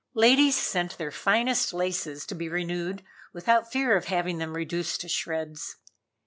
Ladies sent their finest laces to be renewed without fear of having them reduced to shreds.